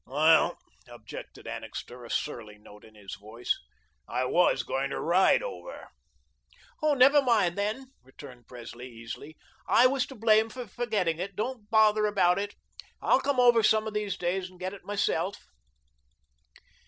"Well," objected Annixter, a surly note in his voice, "I WAS going to RIDE over." "Oh, never mind, then," returned Presley easily. "I was to blame for forgetting it. Don't bother about it. I'll come over some of these days and get it myself."